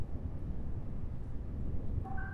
ایک دفعہ کا ذکر ہے کہ چند دوست کہیں مل بیٹھے